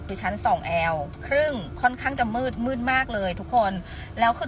คือชั้นสองแอลครึ่งค่อนข้างจะมืดมืดมากเลยทุกคนแล้วคือ